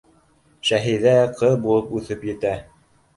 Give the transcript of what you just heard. Шәһиҙә ҡыҙ булып үҫеп етә.